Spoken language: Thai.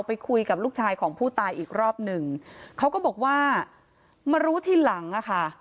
ไปคุยกับลูกชายของผู้ตายอีกรอบหนึ่งเขาก็บอกว่ามารู้ทีหลังอ่ะค่ะ